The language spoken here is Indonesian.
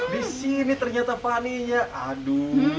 di sini ternyata paninya aduh